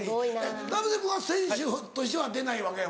田臥君は選手としては出ないわけやもんな。